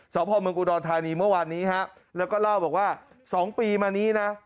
สอบพ่อเมืองอุดรธานีเมื่อวานนี้ฮะแล้วก็เล่าบอกว่า๒ปีมานี้นะ